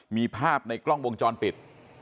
มีภาพในกล้องวงจรปิด